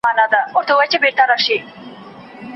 استاد د څيړني پایلې سره پرتله کوي.